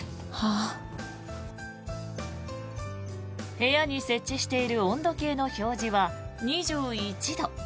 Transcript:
部屋に設置している温度計の表示は２１度。